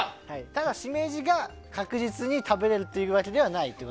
ただ、シメジが確実に食べれるというわけではないです。